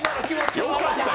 よかったよ